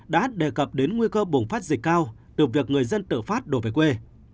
đã đề cập đến nguy cơ bùng phát dịch cao từ việc người dân tự phát đổ về quê